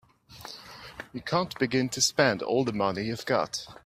You can't begin to spend all the money you've got.